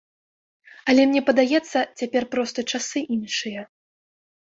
Але мне падаецца, цяпер проста часы іншыя.